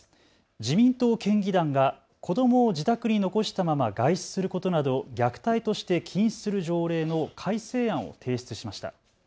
自民党県議団が子どもを自宅に残したまま外出することなどを虐待として禁止する条例の改正案を提出しました。